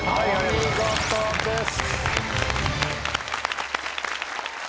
お見事です。